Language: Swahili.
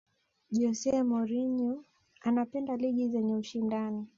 jose mourinho anapenda ligi zenye ushindani